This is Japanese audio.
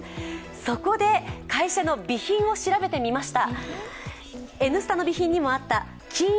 そこで、会社の備品を調べてみました。